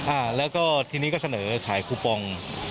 อ่าแล้วก็ทีนี้ก็เสนอขายคูปอง